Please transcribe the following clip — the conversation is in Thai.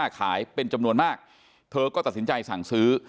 ขายเป็นจำนวนมากเธอก็ตัดสินใจสั่งซื้อ